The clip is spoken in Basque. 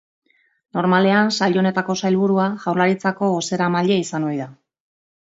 Normalean, sail honetako sailburua, Jaurlaritzako bozeramaile izan ohi da.